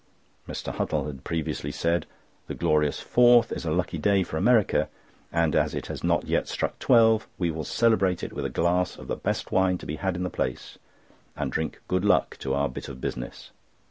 Mr. Huttle had previously said: "The glorious 'Fourth' is a lucky day for America, and, as it has not yet struck twelve, we will celebrate it with a glass of the best wine to be had in the place, and drink good luck to our bit of business."